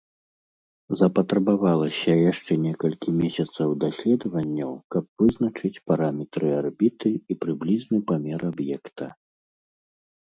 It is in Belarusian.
Запатрабавалася яшчэ некалькі месяцаў даследаванняў, каб вызначыць параметры арбіты і прыблізны памер аб'екта.